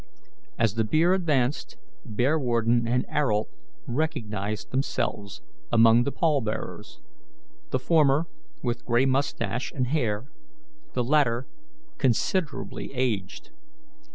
As the bier advanced, Bearwarden and Ayrault recognized themselves among the pallbearers the former with grey mustache and hair, the latter considerably aged.